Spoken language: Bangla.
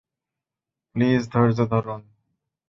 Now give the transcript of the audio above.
প্লিজ ধৈর্য ধরুন।